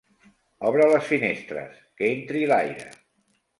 Obre les finestres, que entri l'aire.